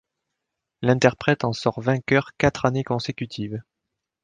L’interprète en sort vainqueur quatre années consécutives.